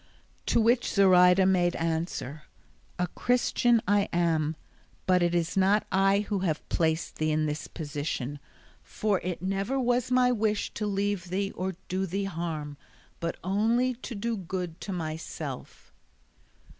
To which Zoraida made answer, "A Christian I am, but it is not I who have placed thee in this position, for it never was my wish to leave thee or do thee harm, but only to do good to myself."